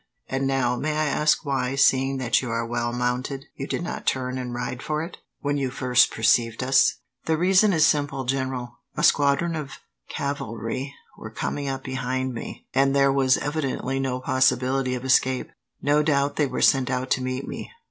"And now, may I ask why, seeing that you are well mounted, you did not turn and ride for it, when you first perceived us?" "The reason is simple, General. A squadron of cavalry were coming up behind me, and there was evidently no possibility of escape." "No doubt they were sent out to meet me.